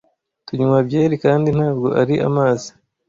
tunywa byeri kandi ntabwo ari amazi